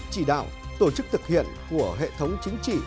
chỉ đạo tổ chức thực hiện của hệ thống chính trị